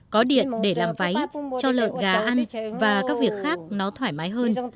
có điện để làm váy cho lợn gà ăn và các việc khác nó thoải mái hơn